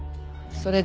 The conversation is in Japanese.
それで？